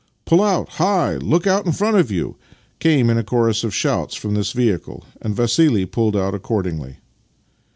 Pull out! Hi! Look out in front of you! " came in a chorus of shouts from this vehicle, and Vassili pulled out accordingly.